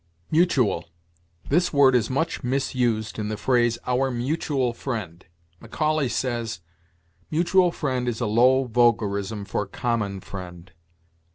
MUTUAL. This word is much misused in the phrase "our mutual friend." Macaulay says: "Mutual friend is a low vulgarism for common friend."